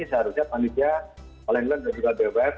seharusnya panitia paling belum juga bwf